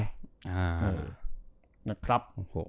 นะครับ